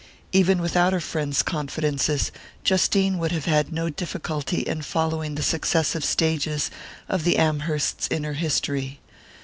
Even without her friend's confidences, Justine would have had no difficulty in following the successive stages of the Amhersts' inner history.